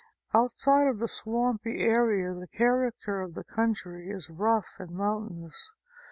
Outside of the swampy area the character of the country is rough and mountainous.